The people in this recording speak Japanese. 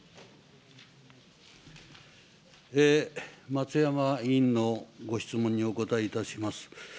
松山委員のご質問にお答えいたします。